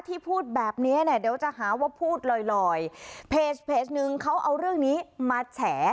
พูดแบบเนี้ยเดี๋ยวจะหาว่าพูดลอยลอยเพจนึงเขาเอาเรื่องนี้มาแฉ